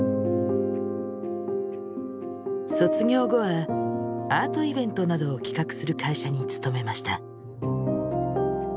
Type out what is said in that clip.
卒業後はアートイベントなどを企画する会社に勤めました。